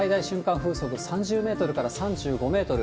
風速３０メートルから３５メートル。